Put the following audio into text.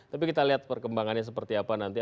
tapi kita lihat perkembangannya seperti apa nanti